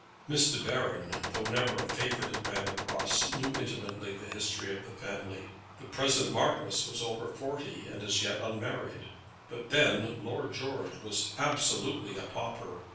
Miss De Baron, though never a favourite at Manor Cross, knew intimately the history of the family. The present marquis was over forty, and as yet unmarried; but then Lord George was absolutely a pauper.